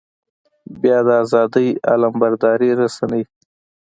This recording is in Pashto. بيا د ازادۍ علمبردارې رسنۍ.